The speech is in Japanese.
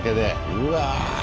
うわ。